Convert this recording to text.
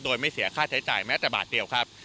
โดยไม่เสียค่าใช้จ่ายแม้แต่บาทเดียวครับ